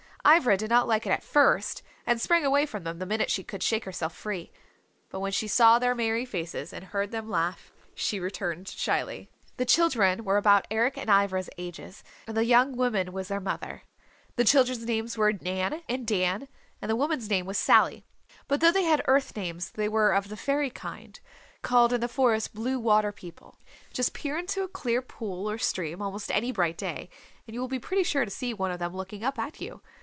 Ivra did not like it at first, and sprang away from them the minute she could shake herself free. But when she saw their merry faces and heard them laugh, she returned shyly. The children were about Eric's and Ivra's ages, and the young woman was their mother. The children's names were Nan and Dan, and the woman's name was Sally. But though they had Earth names they were of the fairy kind, called in the Forest "Blue Water People." Just peer into a clear pool or stream, almost any bright day, and you will be pretty sure to see one of them looking up at you.